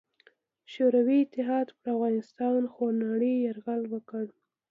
شوروي اتحاد پر افغانستان خونړې یرغل وکړ.